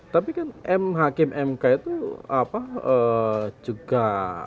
tapi kan hakim mk itu juga